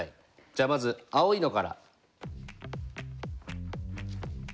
じゃあまず青いのから。